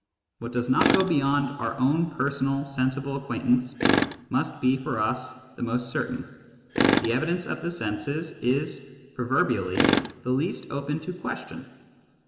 What does not go beyond our own personal sensible acquaintance must be for us the most certain : the " evidence of the senses " is proverbially the least open to question.